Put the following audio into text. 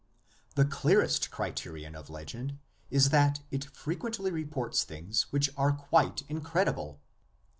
The clearest criterion of legend is that it fre quently reports things which are quite incredible.